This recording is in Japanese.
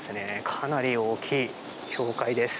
かなり大きい教会です。